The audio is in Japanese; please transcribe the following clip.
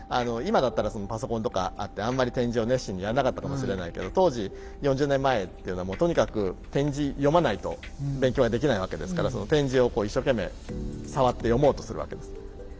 今だったらパソコンとかあってあんまり点字を熱心にやらなかったかもしれないけど当時４０年前っていうのはもうとにかく点字読まないと勉強はできないわけですからその点字を一生懸命さわって読もうとするわけです。